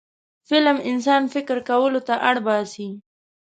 فلم انسان فکر کولو ته اړ باسي